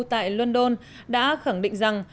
tại london đã khẳng định rằng